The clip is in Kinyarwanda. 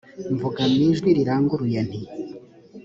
mvuga mu ijwi riranguruye nti